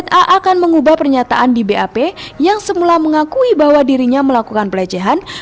na akan mengubah pernyataan di bap yang semula mengakui bahwa dirinya melakukan pelecehan